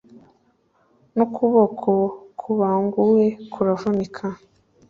n’ukuboko kubanguwe kuravunika